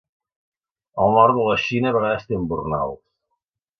El Nord de la Xina a vegades té embornals.